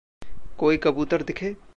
कोई कबूतर दिखें?